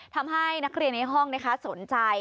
ทำให้นักเรียนในห้องสนใจ